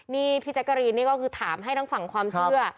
พี่จักรีนก็คือถามให้ทั้งฝั่งความเชื่อ